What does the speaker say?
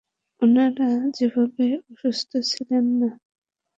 উনারা সেভাবে অসুস্থ ছিলেন না!